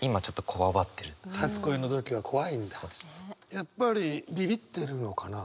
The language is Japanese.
やっぱりビビってるのかな？